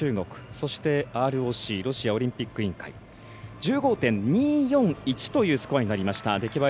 そして、ＲＯＣ＝ロシアオリンピック委員会。１５．２４１というスコアになりました。